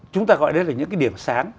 chúng ta gọi đây là những cái điểm sáng